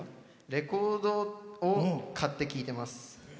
レコードを買って聴いてます。